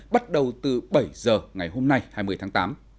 bắt đầu từ bảy giờ ngày hôm nay hai mươi tháng tám